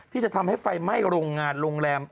ที่จะทำให้ไฟไหม้โรงงานโรงแรม